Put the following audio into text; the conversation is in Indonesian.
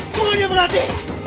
gue akan berhati